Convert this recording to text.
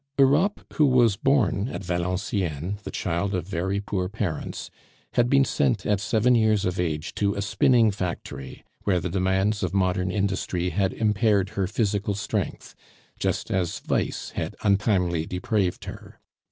Europe, who was born at Valenciennes, the child of very poor parents, had been sent at seven years of age to a spinning factory, where the demands of modern industry had impaired her physical strength, just as vice had untimely depraved her.